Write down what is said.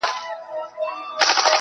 اوس عجيبه جهان كي ژوند كومه_